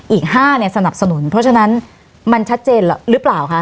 อีก๕เนี่ยสนับสนุนเพราะฉะนั้นมันชัดเจนหรือเปล่าคะ